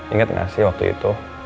ingat gak sih waktu itu